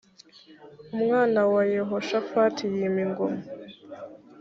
umwana wa yehoshafati yima ingoma